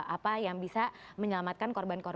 apa yang bisa menyelamatkan